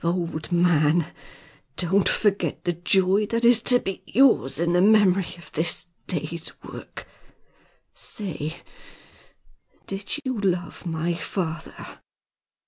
old man! Don't forget the joy that is to be yours in the memory of this day's work! Say did you love my father?"